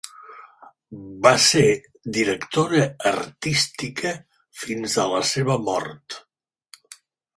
Va ser directora artística fins a la seva mort.